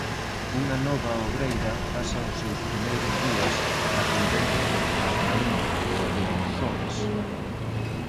Unha nova obreira pasa os seus primeiros días atendendo á raíña e ós xoves.